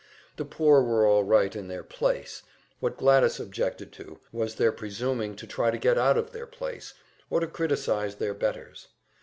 The poor were all right in their place; what Gladys objected to was their presuming to try to get out of their place, or to criticise their betters.